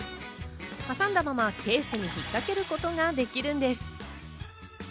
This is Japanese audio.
挟んだままケースに引っかけることができるんです。